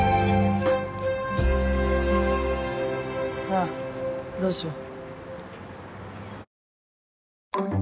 あっどうしよう。